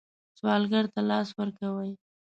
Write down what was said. سوالګر ته لاس ورکوئ